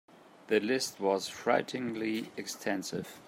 The list was frighteningly extensive.